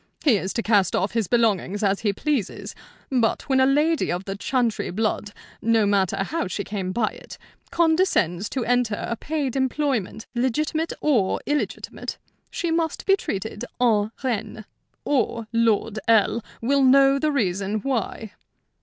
He is to cast off his belongings as he pleases; but when a lady of the Chantrey blood no matter how she came by it condescends to enter a paid employment, legitimate or illegitimate, she must be treated en reine, or Lord L. will know the reason why.